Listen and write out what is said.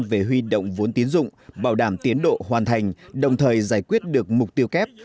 về huy động vốn tiến dụng bảo đảm tiến độ hoàn thành đồng thời giải quyết được mục tiêu kép